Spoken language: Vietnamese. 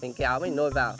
mình kéo mình nôi vào